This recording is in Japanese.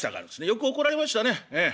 よく怒られましたねええ。